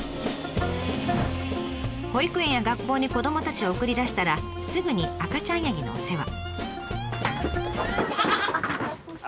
保育園や学校に子どもたちを送り出したらすぐに赤ちゃんヤギのお世話。